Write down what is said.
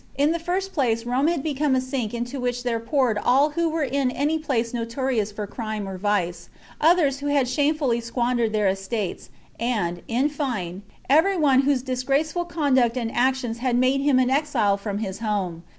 In the first place Rome had become a sink into which there poured all who were in any place notorious for crime or vice, others who had shamefully squandered their estates, and, in fine, every one whose disgraceful conduct and actions had made him an exile from his home.